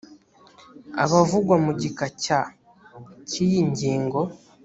abavugwa mu gika cya…cy’iyi ngingo